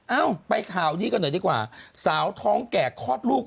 เอ้าไปข่าวนี้กันหน่อยดีกว่าสาวท้องแก่คลอดลูก